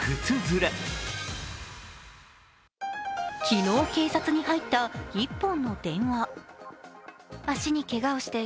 昨日警察に入った１本の電話。